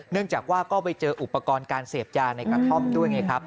จากว่าก็ไปเจออุปกรณ์การเสพยาในกระท่อมด้วยไงครับ